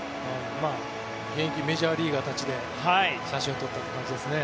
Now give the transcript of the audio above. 現役メジャーリーガーたちで写真を撮ってるという感じですね。